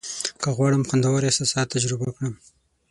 که غواړم خوندور احساسات تجربه کړم.